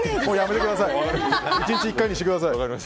１日１回にしてください。